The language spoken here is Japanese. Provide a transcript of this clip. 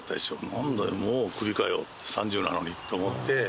なんだよ、もうクビかよ、３０なのにって思って。